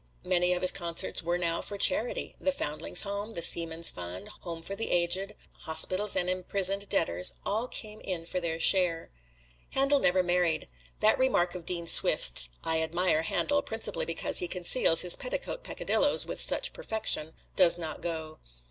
Many of his concerts were now for charity "The Foundlings' Home," "The Seamen's Fund," "Home for the Aged," hospitals and imprisoned debtors all came in for their share. Handel never married. That remark of Dean Swift's, "I admire Handel principally because he conceals his petticoat peccadilloes with such perfection," does not go.